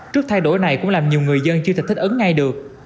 trước thay đổi này cũng làm nhiều người dân chưa thể thích ứng ngay được